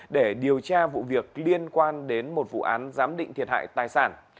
để điều tra vụ việc liên quan đến một vụ án giám định thiệt hại tài sản